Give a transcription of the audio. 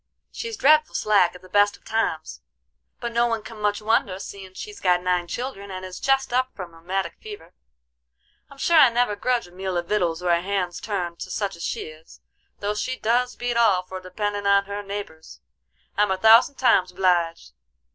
She's dreadful slack at the best of times, but no one can much wonder, seein' she's got nine children, and is jest up from a rheumatic fever. I'm sure I never grudge a meal of vittles or a hand's turn to such as she is, though she does beat all for dependin' on her neighbors. I'm a thousand times obleeged.